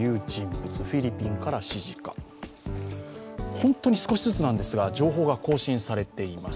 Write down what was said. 本当に少しずつなんですが情報が更新されています。